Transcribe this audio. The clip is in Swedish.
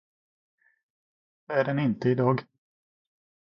Det är den inte idag.